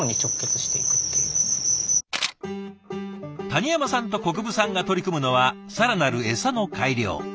谷山さんと國分さんが取り組むのは更なるエサの改良。